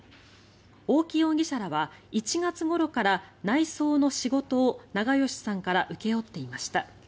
大木容疑者らは１月ごろから内装の仕事を長葭さんから請け負っていました。